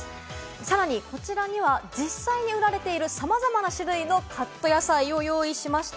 さらにこちらには、実際に売られている、さまざまな種類のカット野菜を用意しました。